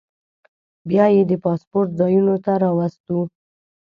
بیا یې د پاسپورټ ځایونو ته راوستو.